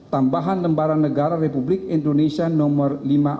tambahan lembaran negara republik indonesia nomor lima ribu empat ratus tiga puluh